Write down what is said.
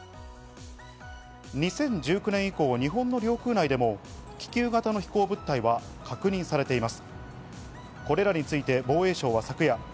２０１９年以降、日本の領空内でも気球型の飛行物体が確認されています。